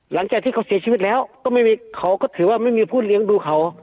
หลังจากที่เขาเสียชีวิตแล้วก็ไม่มีเขาก็ถือว่าไม่มีผู้เลี้ยงดูเขา